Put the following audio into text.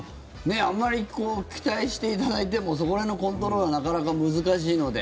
あんまり期待していただいてもそこら辺のコントロールはなかなか難しいので。